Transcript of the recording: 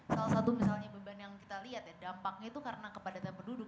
salah satu misalnya beban yang kita lihat ya dampaknya itu karena kepadatan penduduk